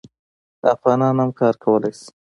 افغانان هم کار کولی شي.